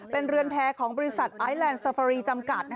เป็นเรือนแพ้ของบริษัทไอแลนด์ซาฟารีจำกัด